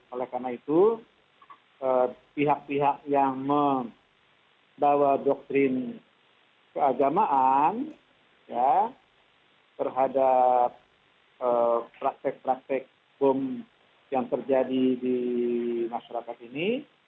oleh karena itu pihak pihak yang membawa doktrin keagamaan terhadap praktek praktek bom yang terjadi di masyarakat ini